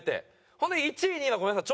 ほんで１位２位はごめんなさい